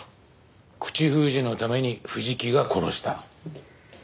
口封じのために藤木が殺した。